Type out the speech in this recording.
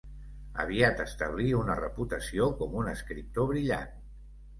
Aviat establí una reputació com un escriptor brillant.